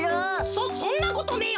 そそんなことねえよ。